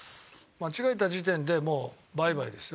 間違えた時点でもうバイバイですよ。